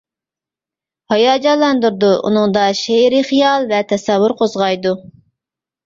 ھاياجانلاندۇرىدۇ، ئۇنىڭدا شېئىرىي خىيال ۋە تەسەۋۋۇر قوزغايدۇ.